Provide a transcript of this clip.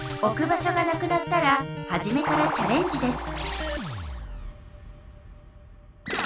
ばしょがなくなったらはじめからチャレンジです